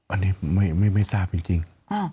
อันนี้ไม่ทราบจริง